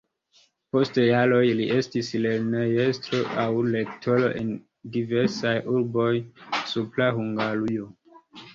Post jaroj li estis lernejestro aŭ rektoro en diversaj urboj de Supra Hungarujo.